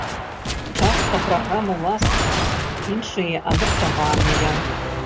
Частка праграм уласныя, іншыя адаптаваныя.